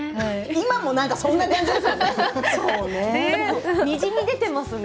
今もそんな感じですよね。